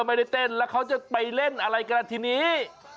ไม่ได้เต้นแล้วเขาจะไปเล่นอะไรกันล่ะทีนี้